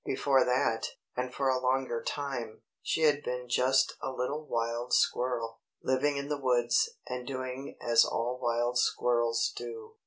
Before that, and for a longer time, she had been just a little wild squirrel, living in the woods, and doing as all wild squirrels do.